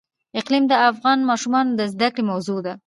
اقلیم د افغان ماشومانو د زده کړې موضوع ده.